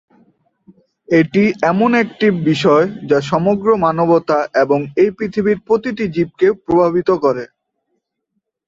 এটি এমন একটি বিষয় যা সমগ্র মানবতা এবং এই পৃথিবীর প্রতিটি জীবকে প্রভাবিত করে।